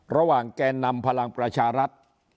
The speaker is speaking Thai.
ระหว่างแก่นำพลังประชารัฐ